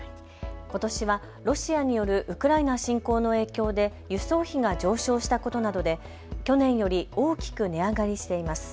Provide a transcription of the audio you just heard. ことしはロシアによるウクライナ侵攻の影響で輸送費が上昇したことなどで去年より大きく値上がりしています。